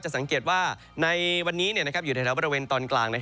สังเกตว่าในวันนี้อยู่แถวบริเวณตอนกลาง